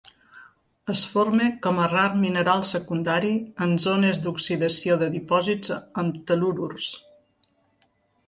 Es forma com a rar mineral secundari en zones d'oxidació de dipòsits amb tel·lururs.